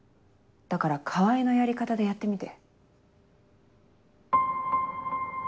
だから川合のやり方でやってみて。